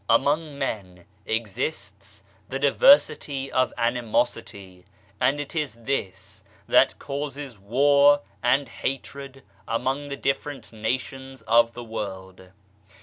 Among men exists the diversity of animosity, and it is this that causes war and hatred among the different nations of the world.